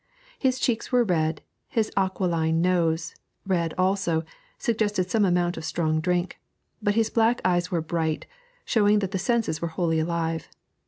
His cheeks were red, his aquiline nose, red also, suggested some amount of strong drink; but his black eyes were bright, showing that the senses were wholly alive.